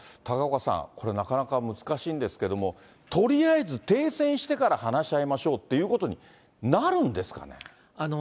高岡さん、これ、なかなか難しいんですけども、とりあえず、停戦してから話し合いましょうっていうことになるんですかね。